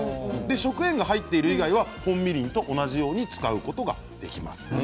食塩が入っている以外は本みりんと同じように使うことができます。